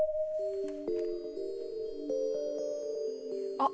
あっ